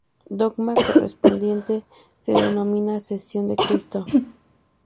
El dogma correspondiente se denomina "sesión de Cristo".